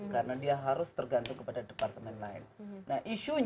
karena dia harus tergantung kepada departemen lain